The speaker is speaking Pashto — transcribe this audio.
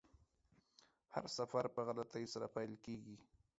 هر سفر په غلطۍ سره پیل کیږي.